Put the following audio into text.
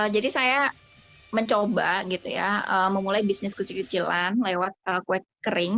saya mencoba gitu ya memulai bisnis kecil kecilan lewat kue kering